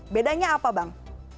bedanya apa bang